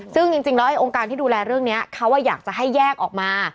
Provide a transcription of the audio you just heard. ซึ่งจริงแล้วองค์การที่ดูแลเรื่องนี้เขาอยากจะให้แยกออกมา